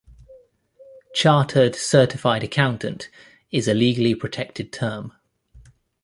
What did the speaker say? Chartered Certified Accountant is a legally protected term.